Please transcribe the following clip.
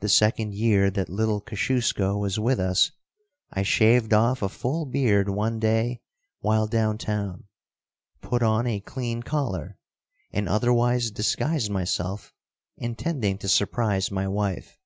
The second year that little Kosciusko was with us, I shaved off a full beard one day while down town, put on a clean collar and otherwise disguised myself, intending to surprise my wife.